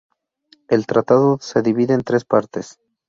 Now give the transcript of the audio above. El "Tratado" se divide en tres partes.